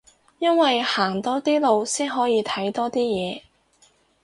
因為行多啲路先可以睇多啲嘢